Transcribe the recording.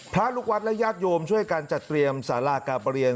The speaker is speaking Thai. พระลูกวัดและญาติโยมช่วยกันจัดเตรียมสารากาประเรียน